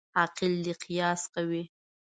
عاقل دي قیاس کوي.